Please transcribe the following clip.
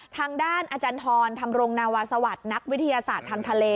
ทางด้านอาจารย์ทรธรรมรงนาวาสวัสดิ์นักวิทยาศาสตร์ทางทะเล